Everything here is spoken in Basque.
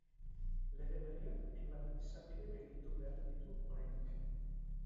Lege berriak hainbat izapide gainditu behar ditu oraindik.